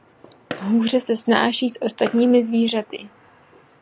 Hůře se snáší s ostatními zvířaty.